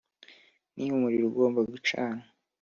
ni umuriro ugomba gucanwa.